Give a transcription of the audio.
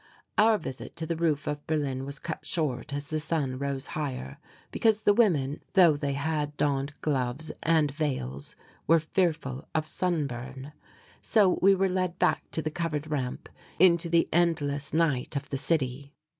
Our visit to the roof of Berlin was cut short as the sun rose higher, because the women, though they had donned gloves and veils, were fearful of sunburn. So we were led back to the covered ramp into the endless night of the city.